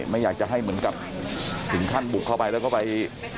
ไม่อยากจะให้เหมือนกับถึงขั้นบุกเข้าไปแล้วก็ไป